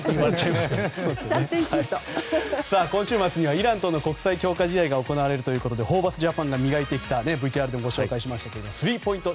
今週末にはイランとの国際強化試合が行われるということでホーバスジャパンが磨いてきたスリーポイント